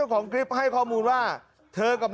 การนอนไม่จำเป็นต้องมีอะไรกัน